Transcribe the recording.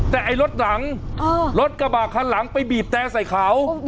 แต่รถหลังรถกระบาดข้างหลังไปบีบแต๊งใส่เขา